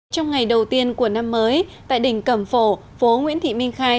trong ngày đầu tiên của năm mới tại đỉnh cẩm phổ nguyễn thị minh khai